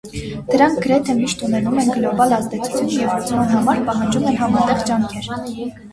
Դրանք գրեթե միշտ ունենում են գլոբալ ազդեցություն և լուծման համար պահանջում են համատեղ ջանքեր։